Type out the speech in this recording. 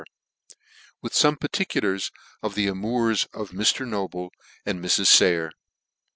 With fome Particulars of the Amours of Mr. NOBLE, and Mrs. SAYER.